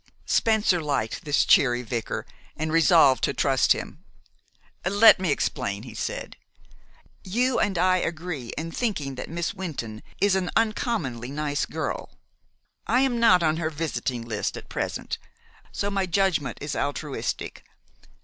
Spencer liked this cheery vicar and resolved to trust him. "Let me explain," he said. "You and I agree in thinking that Miss Wynton is an uncommonly nice girl. I am not on her visiting list at present, so my judgment is altruistic.